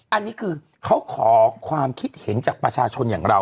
อันนี้คือเขาขอความคิดเห็นจากประชาชนอย่างเรา